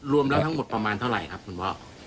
รวมแล้วทั้งหมดประมาณเท่าไหร่ครับคุณพ่อ